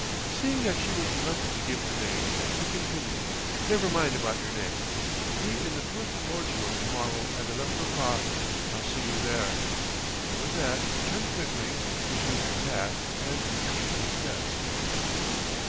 Seeing that she was reluctant to give her name, he continued: "Never mind about your name. Be in the First Lord's room to morrow at eleven o'clock; I'll see you there;" and with that he turned quickly, resumed his hat and retraced his steps.